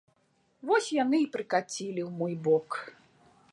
Вось яны і прыкацілі ў мой бок.